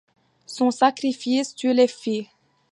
Son sacrifice tue les filles.